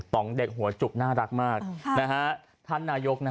ต๋องเด็กหัวจุบน่ารักมาก